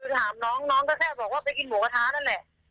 ถามน้องน้องก็แค่บอกว่าไปกินหมูกระทะนั่นแหละ